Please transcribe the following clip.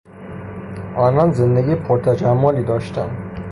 آنان زندگی پر تجملی داشتند.